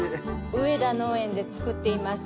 上田農園で作っています